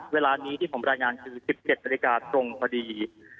เวลานี้ที่ผมรายงานคือ๑๗นาฬิกาตรงพอดี